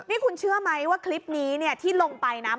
นี่คุณเชื่อไหมว่าคลิปนี้ที่ลงไปนะ